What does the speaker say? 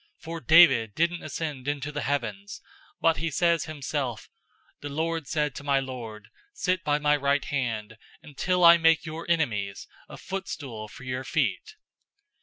002:034 For David didn't ascend into the heavens, but he says himself, 'The Lord said to my Lord, "Sit by my right hand, 002:035 until I make your enemies a footstool for your feet."'